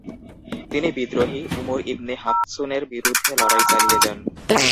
তিনি বিদ্রোহী Umar ibn হাফসুনের বিরুদ্ধে লড়াই চালিয়ে যান।